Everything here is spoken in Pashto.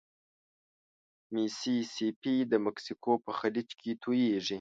ميسي سي پي د مکسیکو په خلیج توییږي.